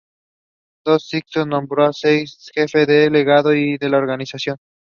Don Sixto nombró a Sáenz-Díez jefe delegado de la organización.